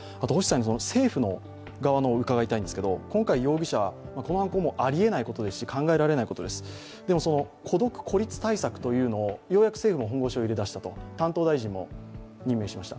政府の側のことを伺いたいんですが、今回、容疑者、この犯行はあり得ないし考えられないことです、でも孤立対施策をようやく政府も本腰を入れだした、担当大臣も任命しました。